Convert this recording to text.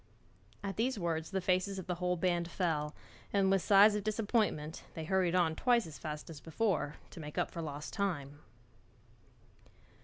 At these words the faces of the whole band fell, and with sighs of disappointment they hurried on twice as fast as before, to make up for lost time.